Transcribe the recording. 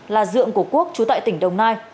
là dượng của quốc trú tại tỉnh đồng nai